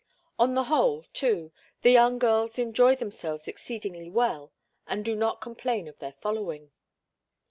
On the whole, too, the young girls enjoy themselves exceedingly well and do not complain of their following.